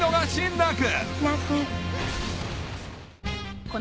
なく！